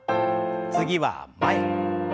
次は前。